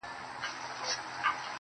اوس خورا په خړپ رپيږي ورځ تېرېږي.